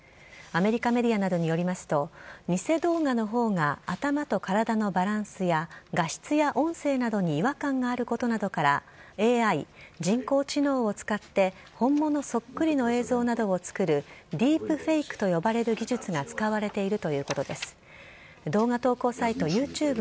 アメリカメディアなどによりますと偽動画の方が頭と体のバランスや画質や音声などに違和感があることなどからＡＩ＝人工知能を使って本物そっくりの映像などを作るディープフェイクと呼ばれる技術が使われているということです。